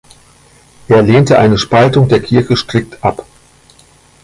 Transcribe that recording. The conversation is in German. Er lehnte eine Spaltung der Kirche strikt ab.